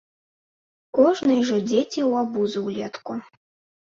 Кожнай жа дзеці ў абузу ўлетку.